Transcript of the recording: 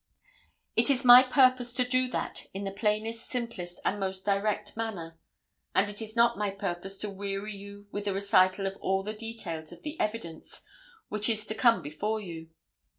It is my purpose to do that in the plainest, simplest and most direct manner. And it is not my purpose to weary you with a recital of all the details of the evidence which is to come before you.